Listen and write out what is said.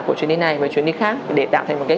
của chuyến đi này với chuyến đi khác để tạo thành một cái